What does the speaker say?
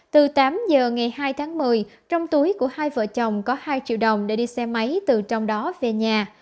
từ tám giờ ngày hai tháng một mươi trong túi của hai vợ chồng có hai triệu đồng để đi xe máy từ trong đó về nhà